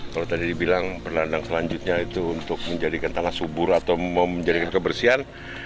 kalau tadi dibilang berladang selanjutnya itu untuk menjadikan tanah subur atau menjadikan kebersihan